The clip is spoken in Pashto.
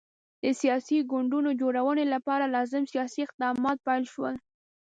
د سیاسي ګوندونو جوړونې لپاره لازم سیاسي اقدامات پیل شول.